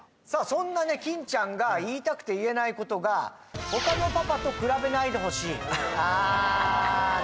そんなね金ちゃんが言いたくて言えないことが他のパパと比べないでほしいあ